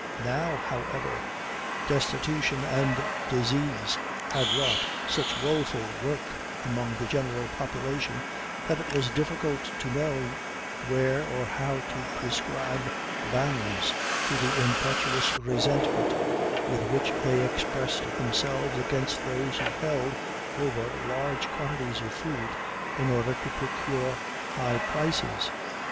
Now, however, destitution and disease had wrought such woeful work among the general population, that it was difficult to know where or how to prescribe bounds to the impetuous resentment with which they expressed themselves against those who held over large quantities of food in order to procure high prices.